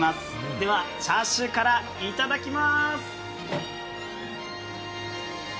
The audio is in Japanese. では、チャーシューからいただきます！